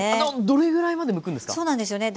どれぐらいまでむくんですか？